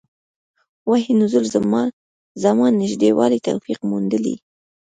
وحي نزول زمان نژدې والی توفیق موندلي.